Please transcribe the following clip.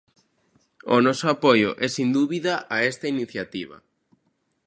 O noso apoio é, sen dúbida, a esta iniciativa.